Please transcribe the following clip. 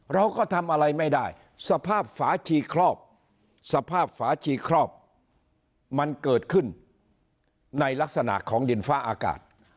เราก็ทำอะไรไม่ได้สภาพฝาชีครอบสภาพฝาชีครอบมันเกิดขึ้นในลักษณะของดินฟ้าอากาศ